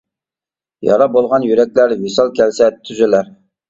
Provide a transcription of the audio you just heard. يارا بولغان يۈرەكلەر، ۋىسال كەلسە تۈزۈلەر.